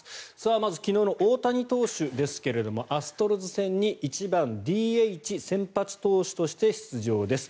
まず、昨日の大谷投手ですがアストロズ戦に１番ＤＨ・先発投手として出場です。